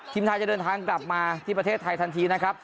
ทีมไทยจะเดินทางกลับมาที่ประเทศไทยทันทีนะครับ